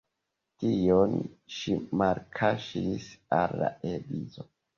Tion ŝi malkaŝis al la edzo.